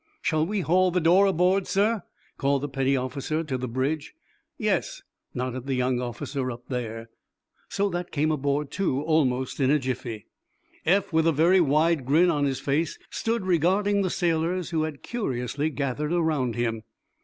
"Shall we haul the door aboard, sir?" called the petty officer to the bridge. "Yes," nodded the young officer up there. So that came aboard, too, almost in a jiffy. Eph, with a very wide grin on his face, stood regarding the sailors who had curiously gathered around him.